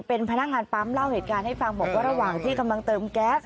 เป็นพนักงานปั๊มเล่าเหตุการณ์ให้ฟังบอกว่าระหว่างที่กำลังเติมแก๊ส